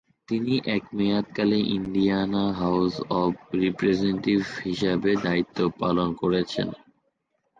তিনি এক মেয়াদকালে ইন্ডিয়ানা হাউজ অব রিপ্রেজেন্টেটিভ হিসেবে দায়িত্ব পালন করেছেন।